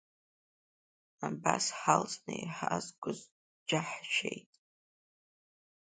Абас ҳалсны иҳазгоз џьаҳшьеит…